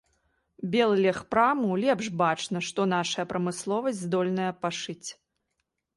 Беллегпраму лепш бачна, што нашая прамысловасць здольная пашыць.